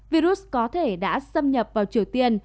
virus có thể đã xâm nhập vào triều tiên